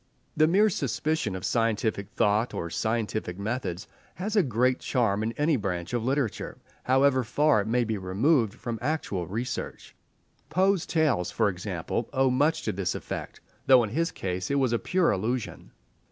The mere suspicion of scientific thought or scientific methods has a great charm in any branch of literature, however far it may be removed from actual research. Poe's tales, for example, owe much to this effect, though in his case it was a pure illusion.